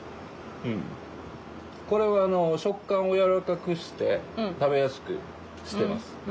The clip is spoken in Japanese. これはあの食感をやわらかくして食べやすくしてます。